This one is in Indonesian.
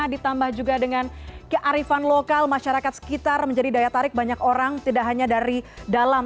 ditambah juga dengan kearifan lokal masyarakat sekitar menjadi daya tarik banyak orang tidak hanya dari dalam